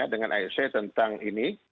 dengan ioc tentang ini